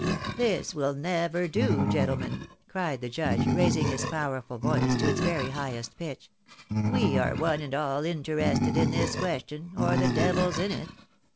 " This will never do, gentlemen," cried the judge, raising his powerful voice to its very highest pitch, " we are one and all inter ested in this question, or the devil's in it.